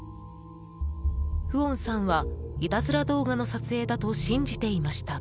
フオンさんはいたずら動画の撮影だと信じていました。